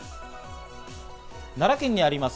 奈良県にあります